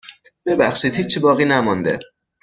ببخشید هیچی باقی نمانده.